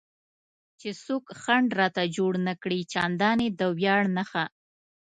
چې څوک خنډ راته جوړ نه کړي، چندانې د ویاړ نښه.